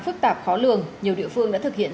phức tạp khó lường nhiều địa phương đã thực hiện